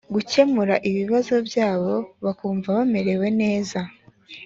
gukemura ibibazo byabo bakumva bamerewe neza